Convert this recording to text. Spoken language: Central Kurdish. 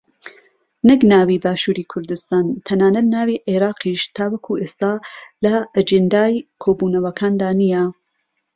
نەک ناوی باشووری کوردستان تەنانەت ناوی عێراقیش تاوەکو ئێستا لە ئەجێندای کۆبوونەوەکاندا نییە